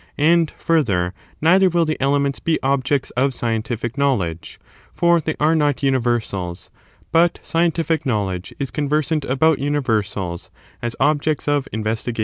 And, further, neither will the elements be objects of scientific knowledge, for they are not universals ; but scientific knowledge is conversant about universals as objects of investigation.